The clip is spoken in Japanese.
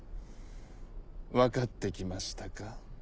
分かってきましたか？